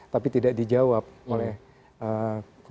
tapi tidak dijawab oleh